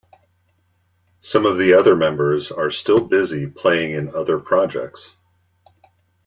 Some of the other members are still busy playing in other projects.